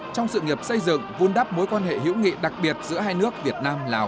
trong sự nghiệp xây dựng vun đắp mối quan hệ hữu nghị đặc biệt giữa hai nước việt nam lào